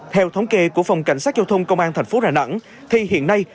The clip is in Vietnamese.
theo thống kê của phòng cảnh sát giao thông công an thành phố đà nẵng thì hiện nay